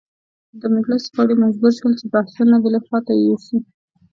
د مجلس غړي مجبور شول چې بحثونه بلې خواته یوسي.